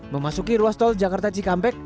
memasuki ruas tol jakarta cikampek